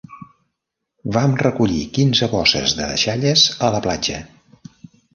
Vam recollir quinze bosses de deixalles a la platja.